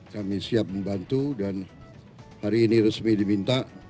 kami siap membantu dan hari ini resmi diminta